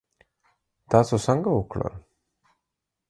تاسو څنګه وکړل؟